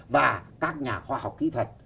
và các nhà khoa học kỹ thuật